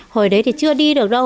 hồi đấy thì chưa đi được đâu